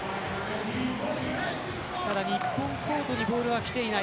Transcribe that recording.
ただ日本コートにボールはきていない。